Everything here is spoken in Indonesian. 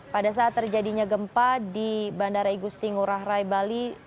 pada saat terjadinya gempa di bandara igusti ngurah rai bali